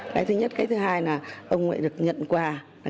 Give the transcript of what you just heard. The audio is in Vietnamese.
cái thứ nhất cái thứ hai là ông lại được nhận quà